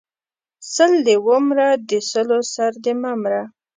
سل دې و مره، د سلو سر دې مه مره!